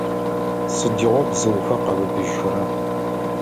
Сыдигъо бзыухэр къэбыбыжьхэра?